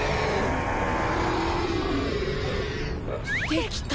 できた。